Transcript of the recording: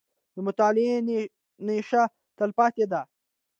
• د مطالعې نیشه، تلپاتې ده.